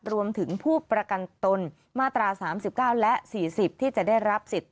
รวมถึงผู้ประกันตนมาตรา๓๙และ๔๐ที่จะได้รับสิทธิ